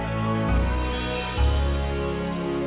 sampai jumpa lagi man